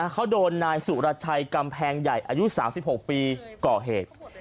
เขาโดนนายสุรชัยกำแพงใหญ่อายุ๓๖ปีก่อเหตุ